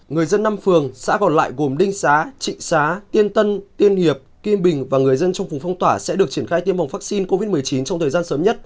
người dân năm phường xã còn lại gồm đinh xá trịnh xá tiên tân tiên hiệp kiên bình và người dân trong phùng phong tỏa sẽ được triển khai tiêm vòng vaccine covid một mươi chín trong thời gian sớm nhất